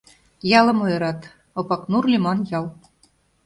Ялым ойырат: Опакнур лӱман ял.